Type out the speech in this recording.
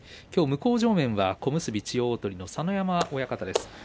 きょう向正面は小結千代鳳の佐ノ山親方です。